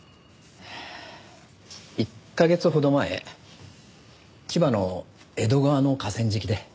ええ１カ月ほど前千葉の江戸川の河川敷で。